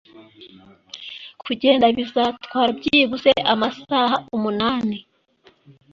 Kugenda bizatwara byibuze amasaha umunani.